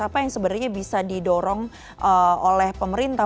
apa yang sebenarnya bisa didorong oleh pemerintah